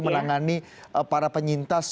menangani para penyintas